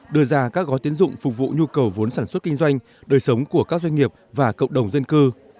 đưa ra các gói tiến dụng phục vụ nhu cầu vốn sản xuất kinh doanh đời sống của các doanh nghiệp và cộng đồng dân cư